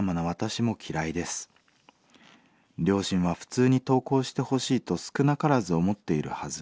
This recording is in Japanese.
両親は普通に登校してほしいと少なからず思っているはず。